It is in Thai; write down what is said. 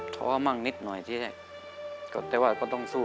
ท้อมากนิดหน่อยสิแต่ว่าก็ต้องสู้